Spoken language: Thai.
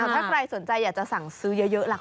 ถ้าสนใจอยากจะสั่งซื้อเยอะล่ะครับ